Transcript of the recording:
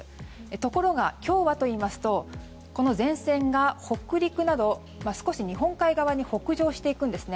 ところが、今日はといいますとこの前線が北陸など少し日本海側に北上していくんですね。